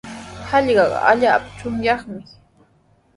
Hallqaqa allaapa chunyaqmi.